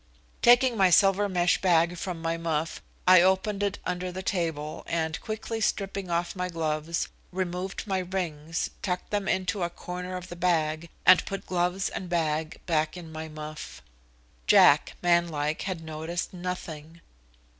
Taking my silver mesh bag from my muff, I opened it under the table, and, quickly stripping off my gloves, removed my rings, tucked them into a corner of the bag and put gloves and bag back in my muff. Jack, man like, had noticed nothing.